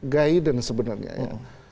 guidance sebenarnya ya